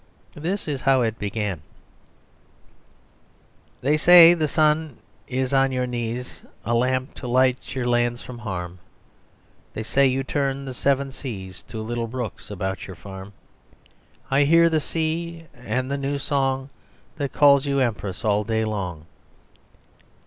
This is how it began "They say the sun is on your knees A lamp to light your lands from harm, They say you turn the seven seas To little brooks about your farm. I hear the sea and the new song that calls you empress all day long.